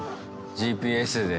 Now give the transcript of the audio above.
ＧＰＳで。